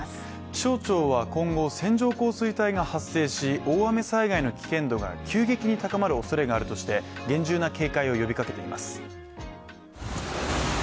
気象庁は今後線状降水帯が発生し大雨災害の危険度が急激に高まるおそれがあるとして厳重な警戒を呼びかけています。